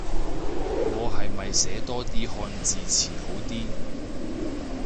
我係咪寫多啲漢字詞好啲